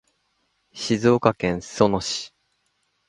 静岡県裾野市